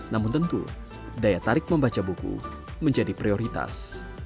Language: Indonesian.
namun tentu daya tarik membaca buku menjadi prioritas